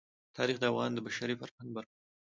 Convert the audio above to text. تاریخ د افغانستان د بشري فرهنګ برخه ده.